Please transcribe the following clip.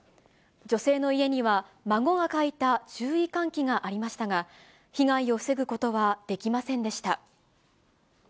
女性の家には、孫が書いた注意喚起がありましたが、被害を防ぐことはできませんでした。